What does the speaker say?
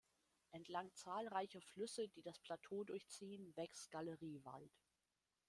Entlang zahlreicher Flüsse, die das Plateau durchziehen, wächst Galeriewald.